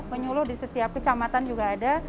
penyuluh di setiap kecamatan juga ada